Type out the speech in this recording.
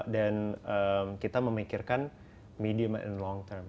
dan kita memikirkan medium and long term